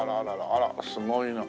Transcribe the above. あらすごいの。